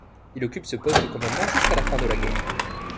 Il occupe ce poste de commandement jusqu'à la fin de la guerre.